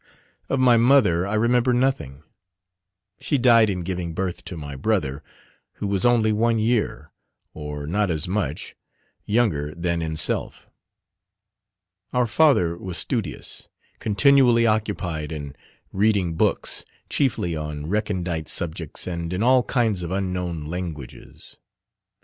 Of my mother I remember nothing: she died in giving birth to my brother, who was only one year, or not as much, younger than in self. Our father was studious, continually occupied in reading books, chiefly on recondite subjects and in all kinds of unknown languages.